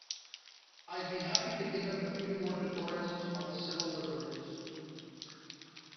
I'd be happy to give him a few more tutorials on civil liberties.